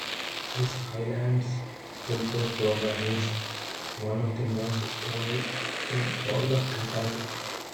The Highlands football program is one of the most storied in all of Kentucky.